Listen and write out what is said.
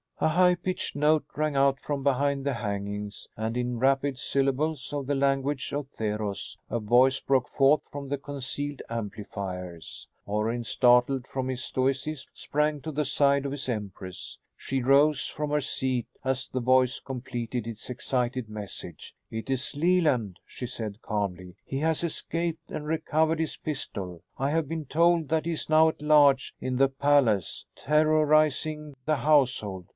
A high pitched note rang out from behind the hangings, and, in rapid syllables of the language of Theros, a voice broke forth from the concealed amplifiers. Orrin, startled from his stoicism, sprang to the side of his empress. She rose from her seat as the voice completed its excited message. "It is Leland," she said calmly. "He has escaped and recovered his pistol. I have been told that he is now at large in the palace, terrorizing the household.